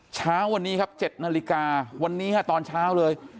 เช้าวันนี้ครับ๗นาฬิกาวันนี้ฮะตอนเช้าเลย